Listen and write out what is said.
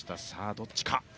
どっちか。